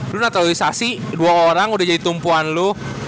dulu naturalisasi dua orang udah jadi tumpuan lu